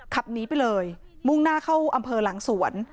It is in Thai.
ขับหนีไปเลยมุ่งหน้าเข้าอำเภอหลังสวน